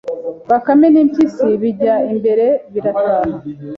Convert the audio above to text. Bakame n' impyisi bijya imbere birataha